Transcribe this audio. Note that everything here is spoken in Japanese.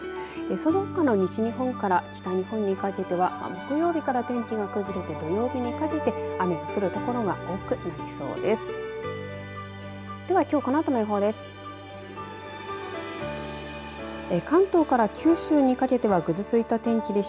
そのほかの西日本から北日本にかけては木曜日から天気が崩れて土曜日にかけて雨が降る所が多くなりそうです。